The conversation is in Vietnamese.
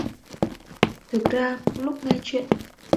Thực ra lúc nghe chuyện